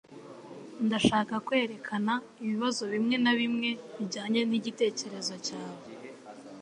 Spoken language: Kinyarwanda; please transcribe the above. Ndashaka kwerekana ibibazo bimwe na bimwe bijyanye nigitekerezo cyawe.